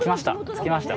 着きました。